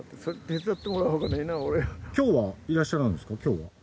今日はいらっしゃるんですか？